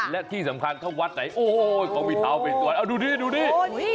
และที่สำคัญถ้าวัดไหนโอ้โหมันมีทาเวสวรรค์เอาดูดิดูดิ